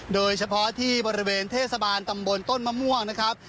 โดยเฉพาะที่บริเวณเทศบาลตำบลต้นมะม่วงนะครับ